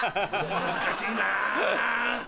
難しいなぁ。